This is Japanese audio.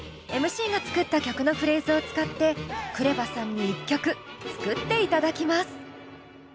ＭＣが作った曲のフレーズを使ってＫＲＥＶＡさんに一曲作っていただきます。